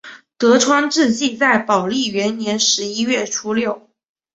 德川治济在宝历元年十一月初六。